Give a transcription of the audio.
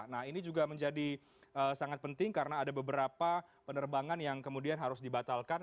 nah ini juga menjadi sangat penting karena ada beberapa penerbangan yang kemudian harus dibatalkan